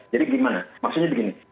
jadi gimana maksudnya begini